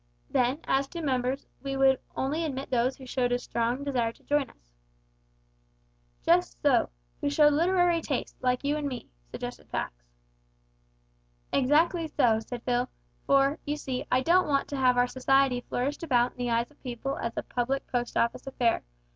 Then, as to members, we would only admit those who showed a strong desire to join us." "Just so who showed literary tastes, like you an' me," suggested Pax. "Exactly so," said Phil, "for, you see, I don't want to have our society flourished about in the eyes of people as a public Post Office affair.